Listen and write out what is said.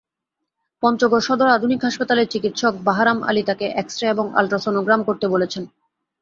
পঞ্চগড় সদর আধুনিক হাসপাতালের চিকিৎসক বাহারাম আলী তাঁকে এক্স-রে এবং আলট্রাসনোগ্রাম করতে বলেছেন।